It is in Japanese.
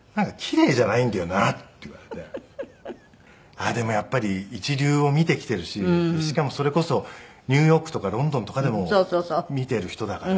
ああでもやっぱり一流を見てきているししかもそれこそニューヨークとかロンドンとかでも見ている人だから。